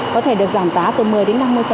có thể được giảm giá từ một mươi đến năm mươi